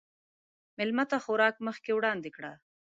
مېلمه ته خوراک مخکې وړاندې کړه.